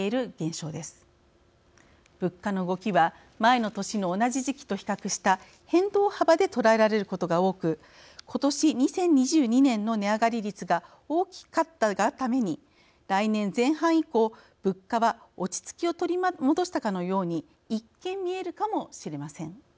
物価の動きは前の年の同じ時期と比較した変動幅で捉えられることが多く今年２０２２年の値上がり率が大きかったがために来年前半以降物価は落ち着きを取り戻したかのように一見見えるかもしれません。